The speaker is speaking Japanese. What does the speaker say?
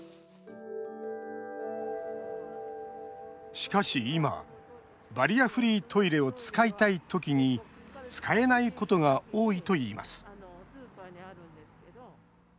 しかし、今バリアフリートイレを使いたい時に使えないことが多いといいます。